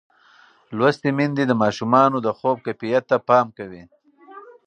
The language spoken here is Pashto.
لوستې میندې د ماشومانو د خوب کیفیت ته پام کوي.